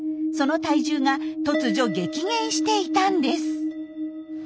その体重が突如激減していたんです。